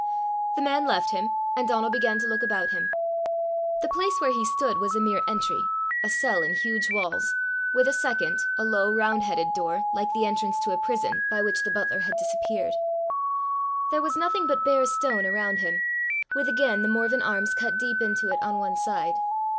The man left him, and Donal began to look about him. The place where he stood was a mere entry, a cell in huge walls, with a second, a low, round headed door, like the entrance to a prison, by which the butler had disappeared. There was nothing but bare stone around him, with again the Morven arms cut deep into it on one side.